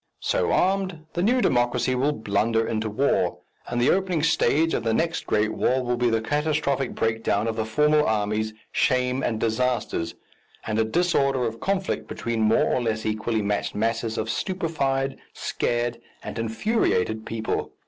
So armed, the New Democracy will blunder into war, and the opening stage of the next great war will be the catastrophic breakdown of the formal armies, shame and disasters, and a disorder of conflict between more or less equally matched masses of stupefied, scared, and infuriated people.